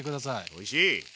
おいしい！